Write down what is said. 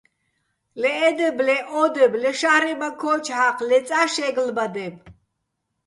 ლე ე დებ, ლე ო დებ, ლე შა́რემაქ ქო́ჯო̆ ჰ̦ა́ჴ, ლე წა შე́გლბადებ.